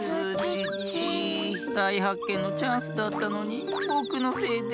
だいはっけんのチャンスだったのにぼくのせいで。